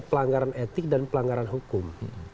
pelanggaran etik dan pelanggaran hukum